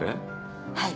はい。